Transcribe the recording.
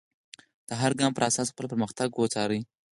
د هر ګام پر اساس خپل پرمختګ وڅارئ.